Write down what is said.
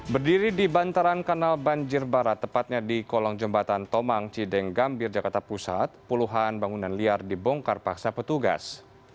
berdiri di bantaran kanal banjir barat tepatnya di kolong jembatan tomang cideng gambir jakarta pusat puluhan bangunan liar dibongkar paksa petugas